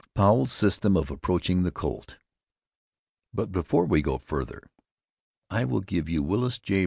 POWEL'S SYSTEM OF APPROACHING THE COLT. But, before we go further, I will give you Willis J.